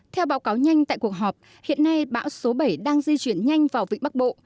theo báo cáo nhanh tại cuộc họp hiện nay bão số bảy đang di chuyển nhanh vào vịnh bắc bộ